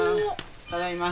ただいま。